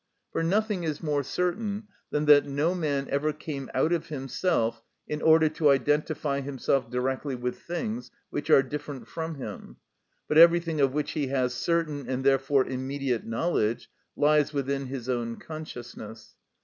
For nothing is more certain than that no man ever came out of himself in order to identify himself directly with things which are different from him; but everything of which he has certain, and therefore immediate, knowledge lies within his own consciousness.